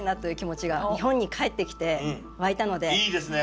いいですね！